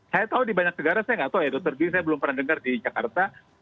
saya tahu di banyak negara saya nggak tahu ya dokter bi saya belum pernah dengar di jakarta